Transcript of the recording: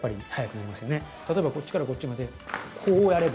例えばこっちからこっちまでこうやれば。